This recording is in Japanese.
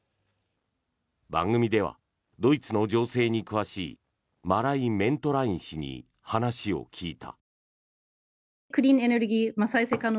番組ではドイツの情勢に詳しいマライ・メントライン氏に話を聞いた。